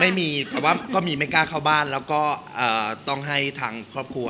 ไม่มีแต่ว่าก็มีไม่กล้าเข้าบ้านแล้วก็ต้องให้ทางครอบครัว